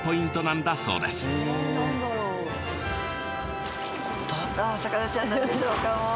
どんなお魚ちゃんなんでしょうか？